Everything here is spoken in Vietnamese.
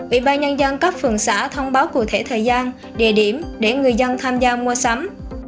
ủy ban nhân dân các phường xã thông báo cụ thể thời gian địa điểm để người dân tham gia mua sắm